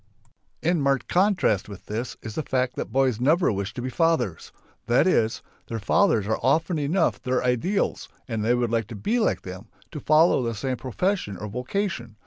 In marked contrast with this is the fact that boys never wish to be fathers. That is: their fathers are often enough their ideals and they would like to be like them, to follow the same profession or vocation.